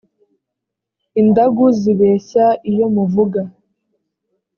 indagu zibeshya iyo muvuga